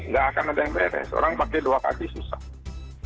nggak akan ada yang beres orang pakai dua kaki susah